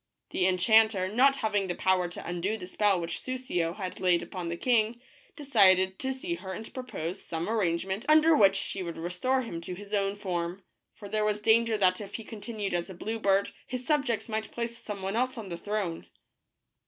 The enchanter, not having the power to undo the spell which Soussio had laid upon the king, decided to see her and propose some arrangement under which she would restore him to his own form, for there was danger that if he continued as a blue bird his subjects might place some one else on the throne.